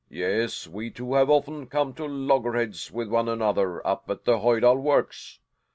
Yes, we two have often come to loggerheads with one another up at the Hojdal Works.